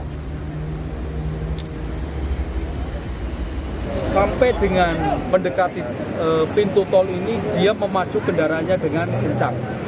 sampai dengan mendekati pintu tol ini dia memacu kendaraannya dengan kencang